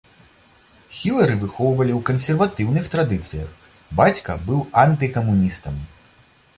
Хілары выхоўвалі ў кансерватыўных традыцыях, бацька быў антыкамуністам.